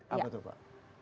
apa tuh pak